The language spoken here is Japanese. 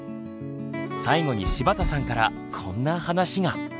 最後に柴田さんからこんな話が。